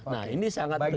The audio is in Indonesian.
nah ini sangat tergantung